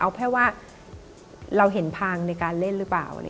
เอาแค่ว่าเราเห็นทางในการเล่นหรือเปล่า